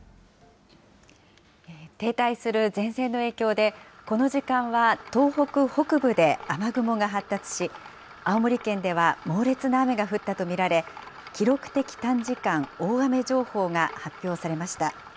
停滞する前線の影響で、この時間は東北北部で雨雲が発達し、青森県では猛烈な雨が降ったと見られ、記録的短時間大雨情報が発表されました。